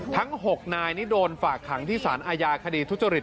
ทั้ง๖นายนี่โดนฝากขังที่สารอาญาคดีทุจริต